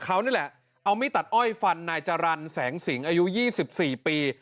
เขานี่แหละเอามิตัดอ้อยฟันนายจารรรณแสงสิงอายุยี่สิบสี่ปี